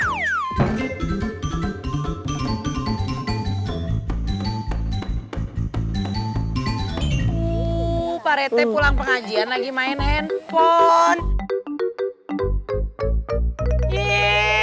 huuu pak rt pulang pengajian lagi main handphone